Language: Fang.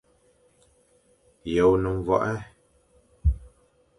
Ye o ne mwague.